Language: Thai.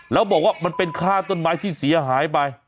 แล้วบอกว่ามันเป็นค่าต้นไม้ที่เสียหายไป